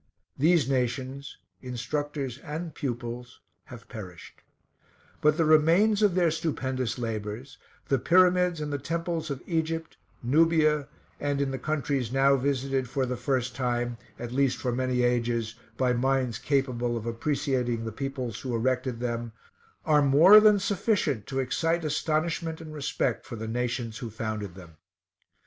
These nations, instructors and pupils, have perished; but the remains of their stupendous labors, the pyramids and the temples of Egypt, Nubia, and in the countries now visited for the first time, at least for many ages, by minds capable of appreciating the peoples who erected them, are more than sufficient to excite astonishment and respect for the nations who founded them.